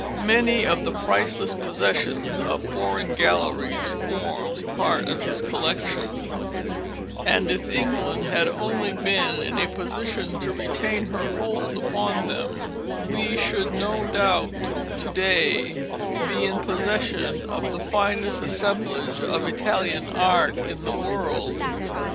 Many of the priceless possessions of foreign galleries formed part of his collection, and if England had only been in a position to retain her hold upon them we should no doubt to day be in possession of the finest assemblage of Italian art in the world.